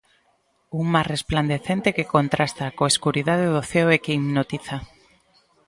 Un mar resplandecente que contrasta coa escuridade do ceo e que hipnotiza.